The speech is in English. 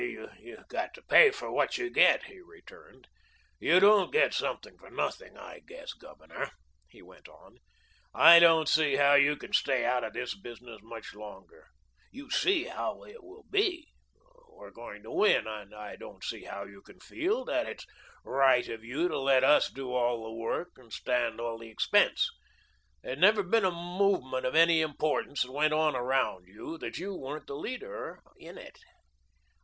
"You've got to pay for what you get," he returned. "You don't get something for nothing, I guess. Governor," he went on, "I don't see how you can stay out of this business much longer. You see how it will be. We're going to win, and I don't see how you can feel that it's right of you to let us do all the work and stand all the expense. There's never been a movement of any importance that went on around you that you weren't the leader in it.